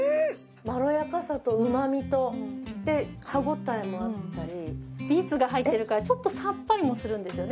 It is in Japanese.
まろやかさとうまみと歯応えもあったりビーツが入ってるからちょっとさっぱりもするんですよね